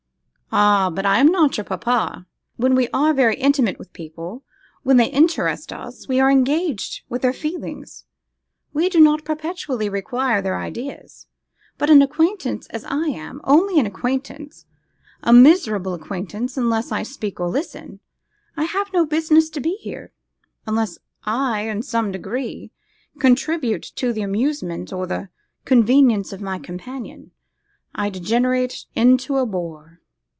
'Ah! but I am not your papa; when we are very intimate with people, when they interest us, we are engaged with their feelings, we do not perpetually require their ideas. But an acquaintance, as I am, only an acquaintance, a miserable acquaintance, unless I speak or listen, I have no business to be here; unless I in some degree contribute to the amusement or the convenience of my companion, I degenerate into a bore.